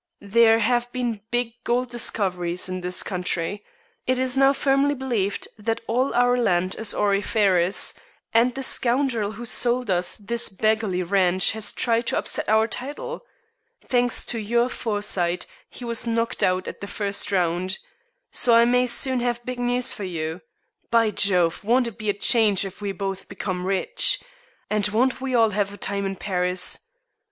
There have been big gold discoveries in this country. It is now firmly believed that all our land is auriferous, and the scoundrel who sold us this beggarly ranch has tried to upset our title. Thanks to your foresight, he was knocked out at the first round. So I may soon have big news for you. By Jove, won't it be a change if we both become rich! And won't we all have a time in Paris!